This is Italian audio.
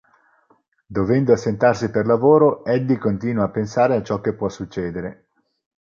Dovendo assentarsi per lavoro, Eddie continua a pensare a ciò che può succedere.